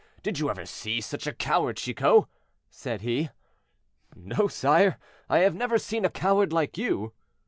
did you ever see such a coward, Chicot?" said he. "No, sire, I have never seen a coward like you."